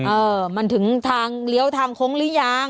เออมันถึงทางเลี้ยวทางโค้งหรือยัง